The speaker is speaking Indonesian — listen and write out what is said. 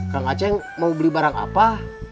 kang aceh mau beli barang apa